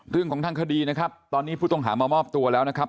เรื่องของทางคดีนะครับตอนนี้ผู้ต้องหามามอบตัวแล้วนะครับ